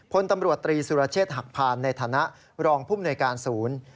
พลตำรวจตรีสุรเชษฐ์หักพานในฐานะรองภูมิหน่วยการศูนย์